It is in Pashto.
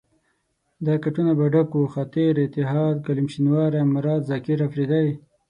دا کټونه به ډک وو، خاطر، اتحاد، کلیم شینواری، مراد، زاکر اپرېدی.